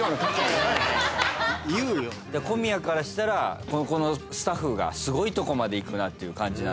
じゃあ小宮からしたらここのスタッフがすごいとこまでいくなっていう感じなんだね。